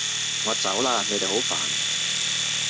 我走喇！你哋好煩